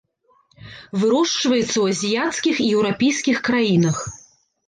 Вырошчваецца ў азіяцкіх і еўрапейскіх краінах.